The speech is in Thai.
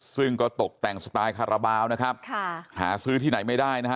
ซึ่งก็ตกแต่งสไตล์คาราบาลนะครับค่ะหาซื้อที่ไหนไม่ได้นะฮะ